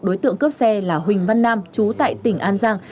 đối tượng cướp xe là huỳnh văn nam chú tại tỉnh an giang